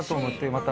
また。